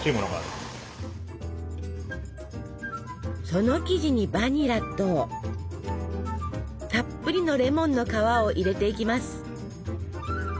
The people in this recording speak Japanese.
その生地にバニラとたっぷりのレモンの皮を入れていきます。